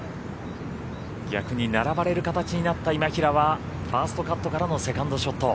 逆に並ばれる形になった今平はファーストカットからのセカンドショット。